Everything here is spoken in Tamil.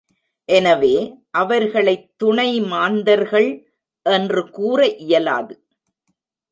எனவே அவர்களைத் துணை மாந்தர்கள் என்று கூற இயலாது.